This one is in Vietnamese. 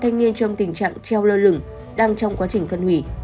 nghe trong tình trạng treo lơ lửng đang trong quá trình phân hủy